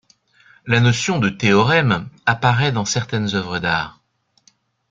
La notion de théorème apparaît dans certaines œuvres d'art.